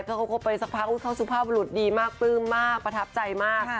เพราะเขาก็ไปสักพักเขาสุขภาพลุธดีมากปลื้มมากประทับใจมาก